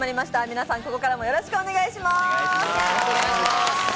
皆さんここからもよろしくお願いします。